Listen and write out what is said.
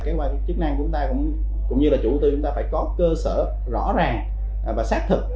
cái quan chức năng của chúng ta cũng như là chủ tư chúng ta phải có cơ sở rõ ràng và xác thực